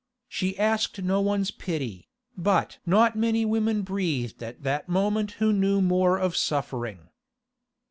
She asked no one's pity, but not many women breathed at that moment who knew more of suffering.